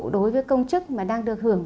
đối với công chức mà đang được hưởng